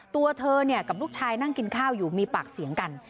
ตัวเธอกับลูกชายนั่งกินข้าวอยู่มีปากเสียงกัน